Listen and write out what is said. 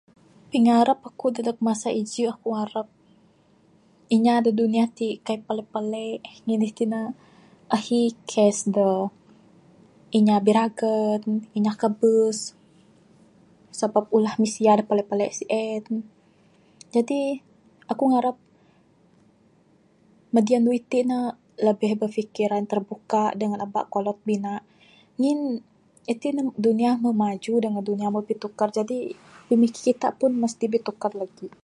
Pingarap akuk dadeg masa iju' aku ngarap inya da dunya tik kai' palik-palik ngin kan ne ahi kes da inya biragan, inya kabus. Sebab ulah misiya da pelik-pelik sien, jadi akuk ngarap madi andu itik ne lebih berfikiran terbuka dengan aba kulob minak ngin itik ne dunya moh maju dengan dunya moh bitukar. Jaji pimikir kitak misti bitukar lagi.